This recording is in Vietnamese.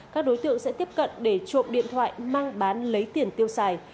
các đối tượng sẽ tiếp cận để trộm điện thoại mang bán lấy tiền tiêu xài